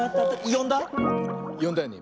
よんだよね？